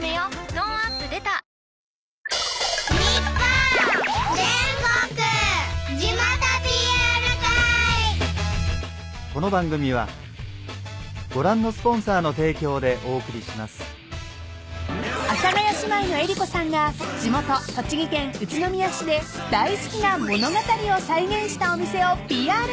トーンアップ出た［阿佐ヶ谷姉妹の江里子さんが地元栃木県宇都宮市で大好きな物語を再現したお店をＰＲ］